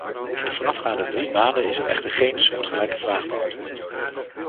In de voorafgaande drie maanden is echter geen soortgelijke vraag beantwoord.